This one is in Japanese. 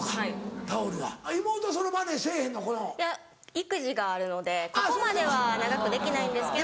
育児があるのでここまでは長くできないんですけど。